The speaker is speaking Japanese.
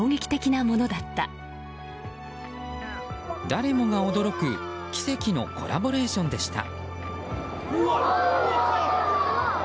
誰もが驚く奇跡のコラボレーションでした。